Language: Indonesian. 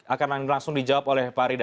akan langsung dijawab oleh pak rida